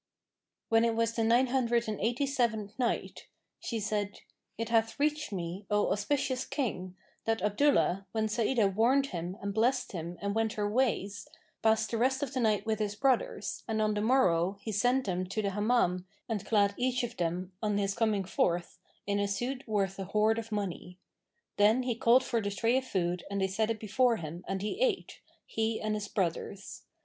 When it was the Nine Hundred and Eighty seventh Night, She said, It hath reached me, O auspicious King, that Abdullah, when Sa'idah warned him and blessed him and went her ways, passed the rest of the night with his brothers and on the morrow, he sent them to the Hammam and clad each of them, on his coming forth, in a suit worth a hoard of money. Then he called for the tray of food and they set it before him and he ate, he and his brothers.